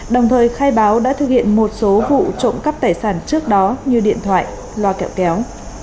đồng thời khai báo đã thực hiện một số vụ trộm cắp tài sản trước đó như điện thoại loa kẹo kéo